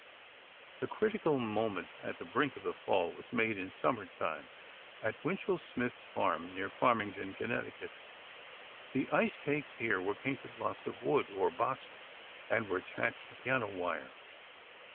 The critical moment at the brink of the fall was made in summer time, at Winchell Smith's farm, near Farmington, Connecticut. The ice cakes here were painted blocks of wood, or boxes, and were attached to piano wire.